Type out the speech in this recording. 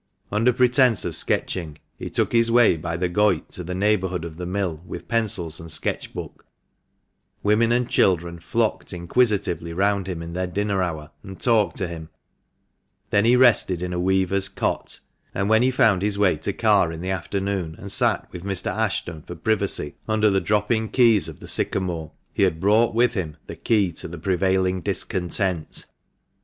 Under pretence of sketching, he took his way by the Goyt to the neighbourhood of the mill with pencils and sketch book ; women and children flocked inquisitively round him in their dinner hour, and talked to him; then he rested in a weaver's cot, and when he found his way to Carr in the afternoon, and sat with Mr. Ashton for privacy under the dropping keys of the sycamore, he had brought with him the key to the prevailing discontent.